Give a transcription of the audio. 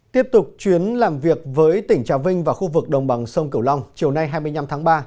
tiếp tục chuyến làm việc với tỉnh trà vinh và khu vực đồng bằng sông kiểu long chiều nay hai mươi năm tháng ba